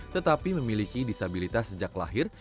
tetapi memiliki disabilitas sejak lahir